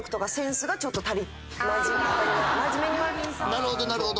なるほどなるほど！